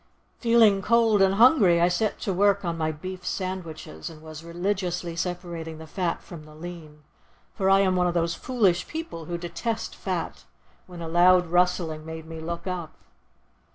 Feeling cold and hungry, I set to work on my beef sandwiches, and was religiously separating the fat from the lean, for I am one of those foolish people who detest fat, when a loud rustling made me look up.